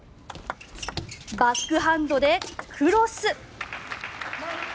バックハンドでクロス。